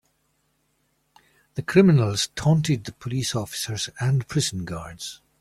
The criminals taunted the police officers and prison guards.